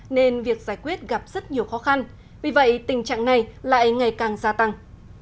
nên việc giải quyết gặp rất nhiều khó khăn vì vậy tình trạng này lại ngày càng gia tăng